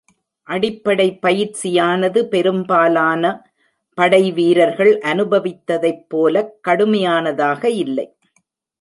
அடிப்படை பயிற்சியானது பெரும்பாலான படைவீரர்கள் அனுபவித்ததைப் போலக் கடுமையானதாக இல்லை.